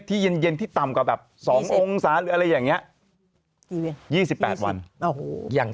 ที่เย็นที่ต่ำกับแบบ๒องศาอะไรอย่างเงี้ย๒๘วันอย่าง